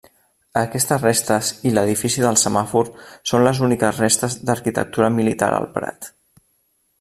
Aquestes restes i l'Edifici del Semàfor són les úniques restes d'arquitectura militar al Prat.